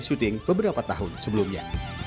syuting beberapa tahun sebelumnya